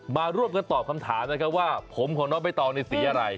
มาร่วมกันตอบคำถามนะครับว่าผมของน้องใบตองในสีอะไร